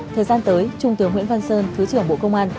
thời gian tới trung tướng nguyễn văn sơn thứ trưởng bộ công an